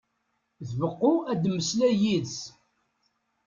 Tbeqqu ad temmeslay yid-s.